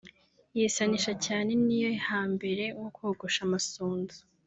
yisanisha cyane n’iyo hambere nko kogosha amasunzu